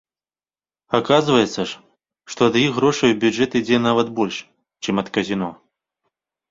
Аказваецца ж, што ад іх грошай у бюджэт ідзе нават больш, чым ад казіно!